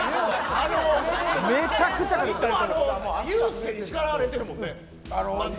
いつもユースケに叱られてるもんね。